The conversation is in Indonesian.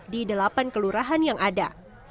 di delapan kelurahan yang ada